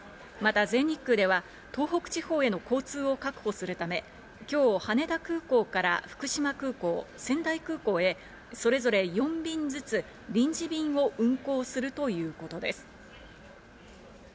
また全日空では東北地方への交通を確保するため、今日、羽田空港から福島空港、仙台空港へそれぞれ４便ずつ臨時便を運航するということです。